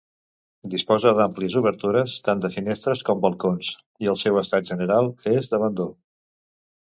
Disposa d'àmplies obertures, tant de finestres com balcons i el seu estat genera és d'abandó.